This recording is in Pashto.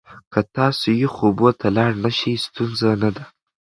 که تاسو یخو اوبو ته لاړ نشئ، ستونزه نه ده.